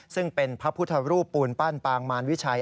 ซึ่งเป็นพระพุทธรูปปูนปั้นปางมารวิชัย